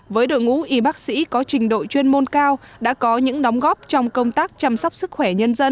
với đội ngũ y bác sĩ có trình độ chuyên môn cao đã có những đóng góp trong công tác chăm sóc sức khỏe nhân dân